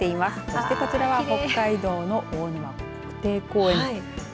そしてこちらは北海道の大沼国定公園です。